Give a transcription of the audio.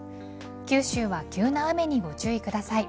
九州は急な雨にご注意ください。